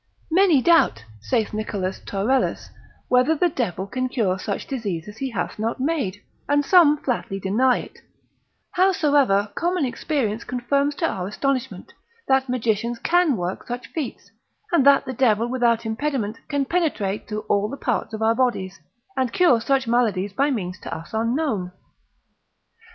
Many doubt, saith Nicholas Taurellus, whether the devil can cure such diseases he hath not made, and some flatly deny it, howsoever common experience confirms to our astonishment, that magicians can work such feats, and that the devil without impediment can penetrate through all the parts of our bodies, and cure such maladies by means to us unknown.